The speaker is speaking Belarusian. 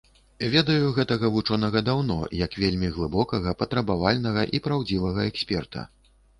Ведаю гэтага вучонага даўно як вельмі глыбокага, патрабавальнага і праўдзівага эксперта.